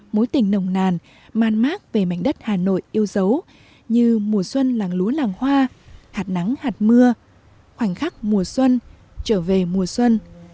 mối tình nồng nàn man mát về mảnh đất hà nội yêu dấu như mùa xuân làng lúa làng hoa hạt nắng hạt mưa khoảnh khắc mùa xuân trở về mùa xuân